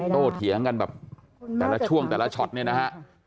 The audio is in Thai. เถียงกันแบบแต่ละช่วงแต่ละช็อตเนี่ยนะฮะ